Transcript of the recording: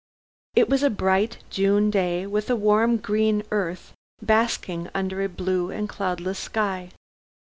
It was a bright June day with a warm green earth basking under a blue and cloudless sky.